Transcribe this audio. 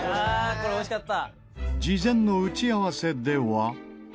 これおいしかった。